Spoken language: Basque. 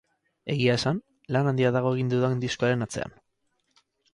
Egia esan, lan handia dago egin dudan diskoaren atzean.